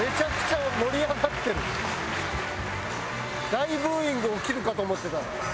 大ブーイング起きるかと思ってたら。